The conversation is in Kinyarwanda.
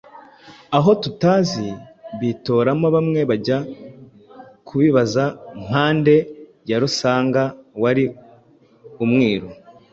aho tutazi? Bitoramo bamwe bajya kubibaza Mpande ya Rusanga wari umwiru.